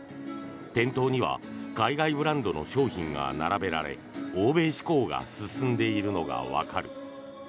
店頭には海外ブランドの商品が並べられ欧米志向が進んでいるのがわかる。